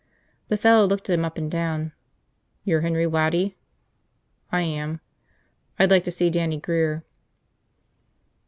The fellow looked him up and down. "You're Henry Waddy?" "I am." "I'd like to see Dannie Grear."